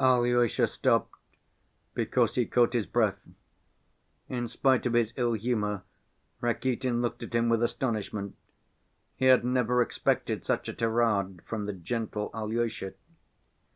Alyosha stopped, because he caught his breath. In spite of his ill‐humor Rakitin looked at him with astonishment. He had never expected such a tirade from the gentle Alyosha.